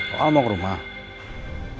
oh mau ke rumah